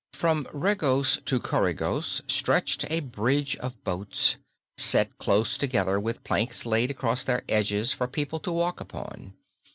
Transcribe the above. From Regos to Coregos stretched a bridge of boats, set close together, with planks laid across their edges for people to walk upon.